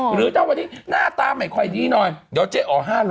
หรือถ้าวันนี้หน้าตาไม่ค่อยดีหน่อยเดี๋ยวเจ๊อ๋อ๕๐๐